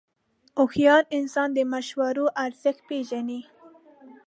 هوښیار انسان د مشورو ارزښت پېژني.